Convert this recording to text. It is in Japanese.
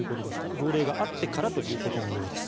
号令があってからということのようです。